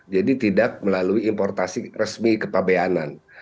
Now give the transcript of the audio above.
jadi tidak melalui importasi resmi ke pabeanan